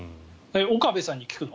岡部さんに聞くの？